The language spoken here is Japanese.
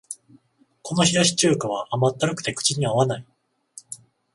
この冷やし中華は甘ったるくて口に合わない